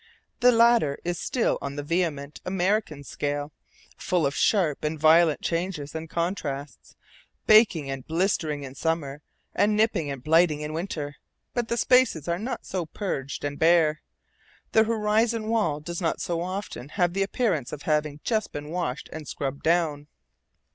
The latter is still on the vehement American scale, full of sharp and violent changes and contrasts, baking and blistering in summer, and nipping and blighting in winter, but the spaces are not so purged and bare; the horizon wall does not so often have the appearance of having just been washed and scrubbed down.